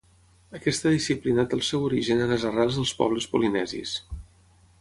Aquesta disciplina té el seu origen en les arrels dels pobles polinesis.